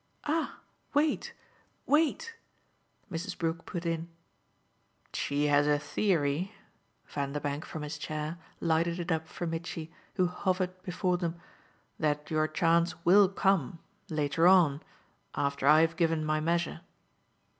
"Ah wait, wait!" Mrs. Brook put in. "She has a theory" Vanderbank, from his chair, lighted it up for Mitchy, who hovered before them "that your chance WILL come, later on, after I've given my measure."